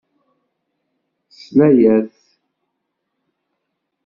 Yesla-as.